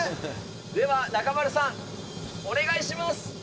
では、中丸さん、お願いしま